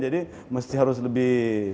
jadi mesti harus lebih